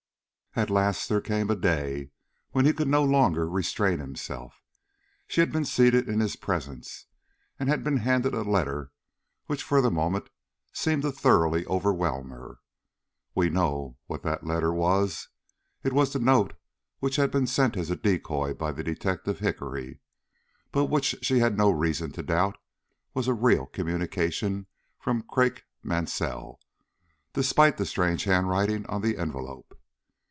At last there came a day when he could no longer restrain himself. She had been seated in his presence, and had been handed a letter which for the moment seemed to thoroughly overwhelm her. We know what that letter was. It was the note which had been sent as a decoy by the detective Hickory, but which she had no reason to doubt was a real communication from Craik Mansell, despite the strange handwriting on the envelope.